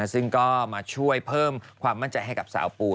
ซึ่งก็มาช่วยเพิ่มความมั่นใจให้กับสาวปู